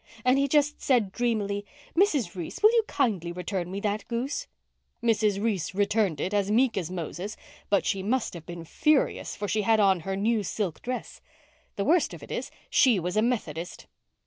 And he just said dreamily. 'Mrs. Reese, will you kindly return me that goose?' Mrs. Reese 'returned' it, as meek as Moses, but she must have been furious, for she had on her new silk dress. The worst of it is, she was a Methodist."